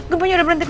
gempa udah berhenti